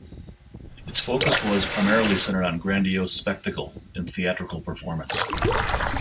Its focus was primarily centered on grandiose spectacle in theatrical performance.